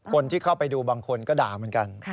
คนที่เข้าไปดูบางคนก็ด่าเหมือนกัน